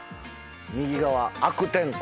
右側「悪天候」。